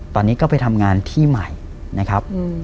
ตอนนี้ก็ไปทำงานที่ใหม่นะครับ